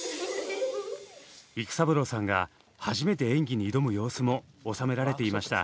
育三郎さんが初めて演技に挑む様子も収められていました。